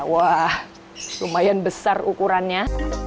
wah lumayan besar ukurannya